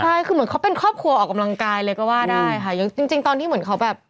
ใช่คือเหมือนเขาเป็นครอบครัวออกกำลังกายเลยก็ว่าได้ค่ะยังจริงจริงตอนที่เหมือนเขาแบบ